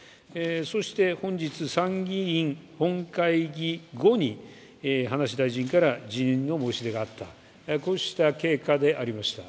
そして、本日、参議院本会議後に葉梨大臣から辞任の申し出があった、こうした経過でありました。